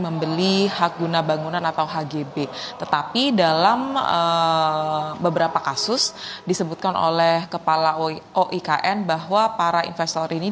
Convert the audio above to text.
membeli hak guna bangunan atau hgb tetapi dalam beberapa kasus disebutkan oleh kepala oikn bahwa para investor ini